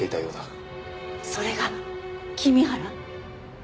それが君原？